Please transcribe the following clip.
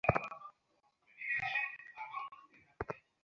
তিনি শায়খ আবদুল্লাহ খুওয়ানি এবং শায়খ হাসান সিমনানির সাথে যুক্ত ছিলেন।